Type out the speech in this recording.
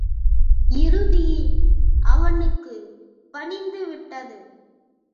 இறுதியில் அது அவனுக்குப் பணிந்துவிட்டது.